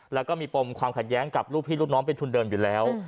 แล้วก็มีปมความขัดแย้งกับลูกพี่ลูกน้องเป็นทุนเดิมอยู่แล้ว